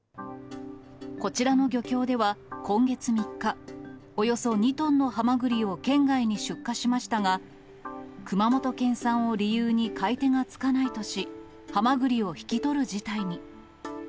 こちらの漁協では、今月３日、およそ２トンのハマグリを県外に出荷しましたが、熊本県産を理由に買い手がつかないとし、ハマグリを引き取る事態に。